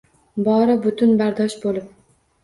Bori butun bardosh bo’lib